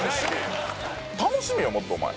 楽しめよもっとお前。